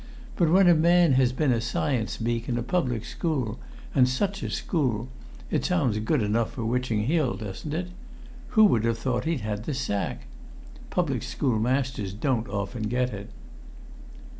But when a man has been science beak in a public school and such a school it sounds good enough for Witching Hill, doesn't it? Who would have thought he'd had the sack? Public school masters don't often get it."